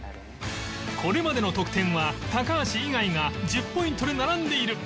これまでの得点は高橋以外が１０ポイントで並んでいる